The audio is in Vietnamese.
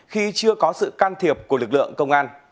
khi chưa có sự can thiệp của lực lượng công an